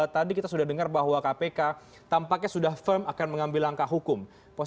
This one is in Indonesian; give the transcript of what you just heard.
tadi kita sudah dengar bahwa kpk tampaknya sudah firm akan mencapai rut pln